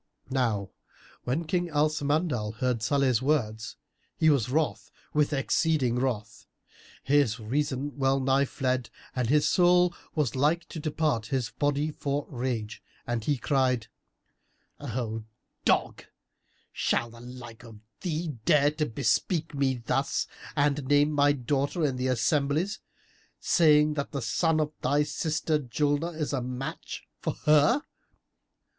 Now when King Al Samandal heard Salih's words, he was wroth with exceeding wrath; his reason well nigh fled and his soul was like to depart his body for rage, and he cried, "O dog, shall the like of thee dare to bespeak me thus and name my daughter in the assemblies,[FN#328] saying that the son of thy sister Julnar is a match for her?